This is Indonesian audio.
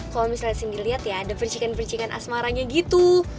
kalau misalnya sindi lihat ya ada percikan percikan asmaranya gitu